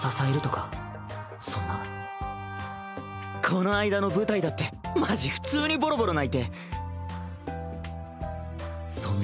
この間の舞台だってマジ普通にボロボロ泣いて。